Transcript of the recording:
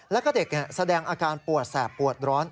แล้วก็เด็กแสดงอาการปวดแสบปวดร้อน